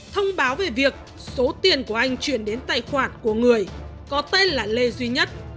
thông báo về việc số tiền của anh chuyển đến tài khoản của người có tên là lê duy nhất